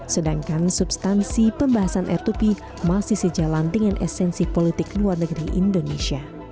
sedangkan substansi pembahasan r dua p masih sejalan dengan esensi politik luar negeri indonesia